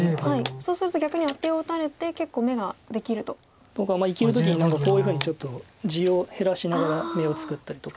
そうすると逆にアテを打たれて結構眼ができると。とか生きる時に何かこういうふうにちょっと地を減らしながら眼を作ったりとか。